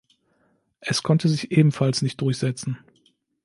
Es konnte sich ebenfalls nicht durchsetzen.